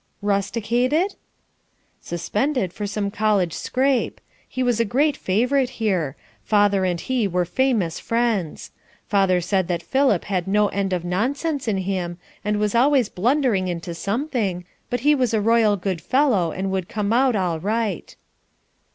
"Rusticated?" "Suspended for some College scrape. He was a great favorite here. Father and he were famous friends. Father said that Philip had no end of nonsense in him and was always blundering into something, but he was a royal good fellow and would come out all right."